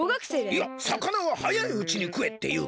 いや「さかなははやいうちにくえ」っていうからな。